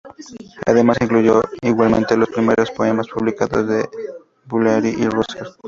Además, incluyó igualmente los primeros poemas publicados de Du Bellay y Ronsard.